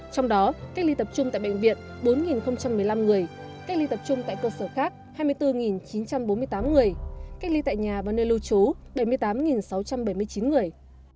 trong đó cách ly tập trung tại bệnh viện bốn một mươi năm người cách ly tập trung tại cơ sở khác hai mươi bốn chín trăm bốn mươi tám người cách ly tại nhà và nơi lưu trú bảy mươi tám sáu trăm bảy mươi chín người